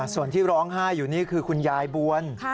ส่วนที่ร้องไห้อยู่นี่คือคุณยายบวล